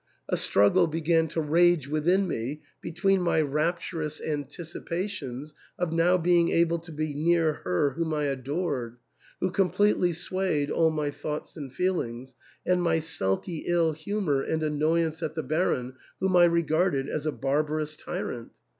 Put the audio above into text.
A struggle began to rage within me between my rapturous anticipations of now being able to be near her whom I adored, who com pletely swayed all my thoughts and feelings, and my sulky ill humour and annoyance at the Baron, whom I regarded as a barbarous tyrant.